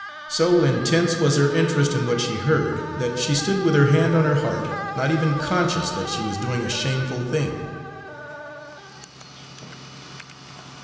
So intense was her interest in what she heard, that she stood with her hand on her heart, not even conscious that she was doing a shameful thing.